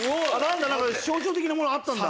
象徴的なものあったんだ。